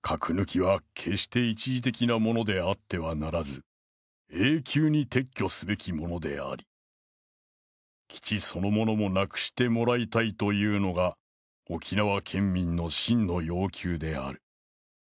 核抜きは決して一時的なものであってはならず永久に撤去すべきものであり、基地そのものもなくしてもらいたいというのが沖縄県民の真の要求である。